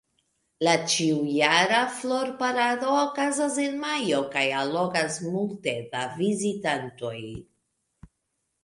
La ĉiujara Flor-parado okazas en majo kaj allogas multe da vizitantoj.